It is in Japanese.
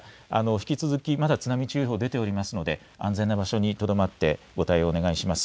引き続きまだ津波注意報、出ていますので安全な場所にとどまってご対応をお願いします。